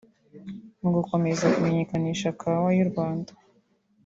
Mu gukomeza kumenyekanisha kawa y’u Rwanda